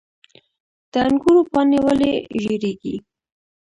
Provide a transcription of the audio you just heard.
د انګورو پاڼې ولې ژیړیږي؟